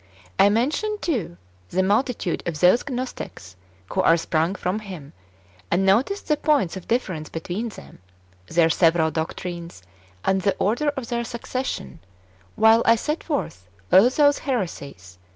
I mentioned, too, the multitude of those Gnostics who are sprung from him, and noticed the points of difference between them, their several doctrines, and the order of their succession, while I set forth all those heresies which 1 1 Tim.